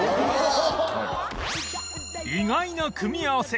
意外な組み合わせ